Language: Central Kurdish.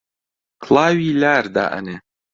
کڵاوی لار دائەنێ